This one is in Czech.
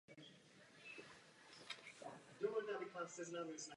Místo je dnes opět v majetku olomoucké Židovské obce.